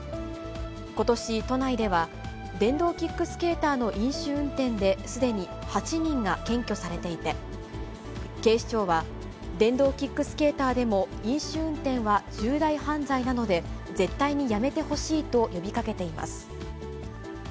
ことし都内では、電動キックスケーターの飲酒運転で、すでに８人が検挙されていて、警視庁は、電動キックスケーターでも飲酒運転は重大犯罪なので、絶対にやめてほしいと呼びかけています。